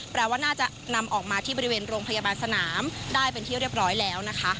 แปลว่าน่าจะนำออกมาที่บริเวณโรงพยาบาลสนามได้เป็นที่เรียบร้อยแล้วนะคะ